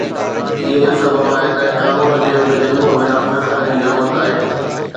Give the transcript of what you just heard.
اهو ئي سبب آهي ته قانون کي ان جي روح ۾ نافذ ڪرڻ جي ضرورت آهي